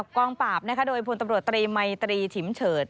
กองปราบโดยพลตำรวจตรีมัยตรีฉิมเฉิด